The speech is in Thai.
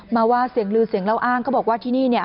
มาว่าเสียงลือเสียงเล่าอ้างเขาบอกว่าที่นี่เนี่ย